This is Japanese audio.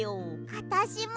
あたしも。